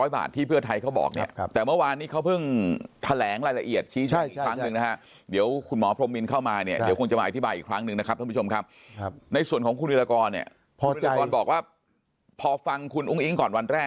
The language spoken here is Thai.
๖๐๐บาทที่พี่เพื่อไทยเขาบอก